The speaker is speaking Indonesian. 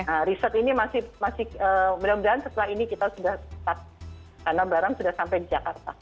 nah riset ini masih mudah mudahan setelah ini kita sudah tetap karena barang sudah sampai di jakarta